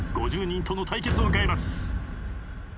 ５０人との対決を迎えます。